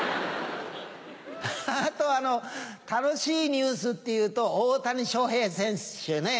あと楽しいニュースっていうと大谷翔平選手ね。